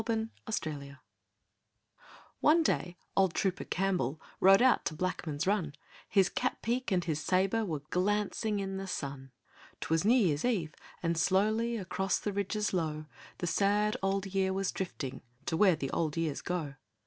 Trooper Campbell One day old Trooper Campbell Rode out to Blackman's Run, His cap peak and his sabre Were glancing in the sun. 'Twas New Year's Eve, and slowly Across the ridges low The sad Old Year was drifting To where the old years go.